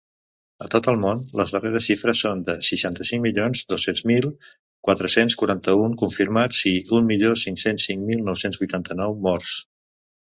A tot el món, les darreres xifres són de seixanta-cinc milions dos-cents mil quatre-cents quaranta-un confirmats i un milió cinc-cents cinc mil nou-cents vuitanta-nou morts.